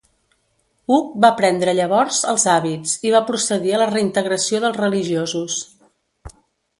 Hug va prendre llavors els hàbits, i va procedir a la reintegració dels religiosos.